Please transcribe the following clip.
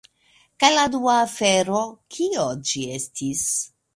Kaj la dua afero... kio ĝi estis?